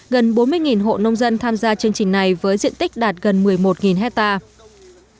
gần bốn mươi hộ nông dân tham gia chương trình này với diện tích đạt gần một mươi một hectare